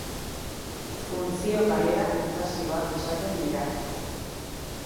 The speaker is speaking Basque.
Funtzio galera mutazioak izaten dira.